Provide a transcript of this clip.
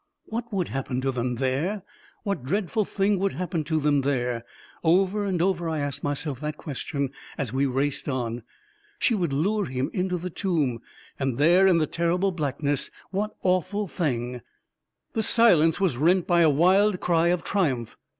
What would happen to him there ? What dread ful thing would happen to him there? Over and over I asked myself that question, as we raced on. She would lure him into the tomb ; and there, in the terrible blackness, what awful thing •.. The silence was rent by a wild cry of triumph.